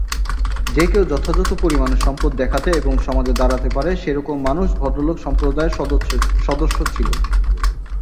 যে কেউ যথাযথ পরিমাণে সম্পদ দেখাতে এবং সমাজে দাঁড়াতে পারে সেরকম মানুষ ভদ্রলোক সম্প্রদায়ের সদস্য ছিল।